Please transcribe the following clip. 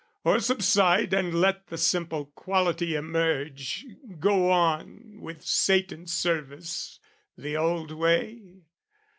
Or subside And let the simple quality emerge, Go on with Satan's service the old way?